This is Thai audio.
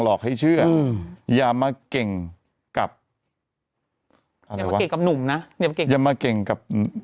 ลอกให้เชื่ออย่ามาเก่งกับอะไรวะอย่ามาเก่งกับหนุ่มนะอย่ามาเก่งกับ